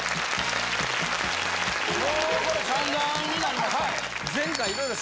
もうこれ３弾になりますか。